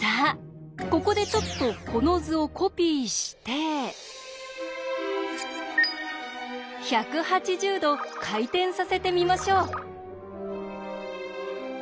ここでちょっとこの図をコピーして１８０°回転させてみましょう。